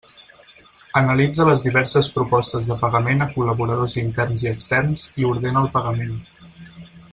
Analitza les diverses propostes de pagament a col·laboradors interns i externs i ordena el pagament.